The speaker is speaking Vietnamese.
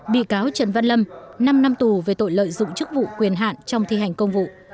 bị cáo trần văn lâm năm năm tù về tội lợi dụng chức vụ quyền hạn trong thi hành công vụ